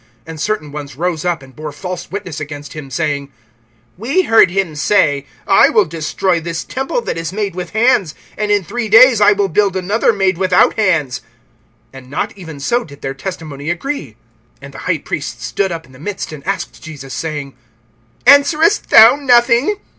(57)And certain ones rose up, and bore false witness against him, saying: (58)We heard him say, I will destroy this temple that is made with hands, and in three days I will build another made without hands. (59)And not even so did their testimony agree. (60)And the high priest stood up in the midst, and asked Jesus, saying: Answerest thou nothing?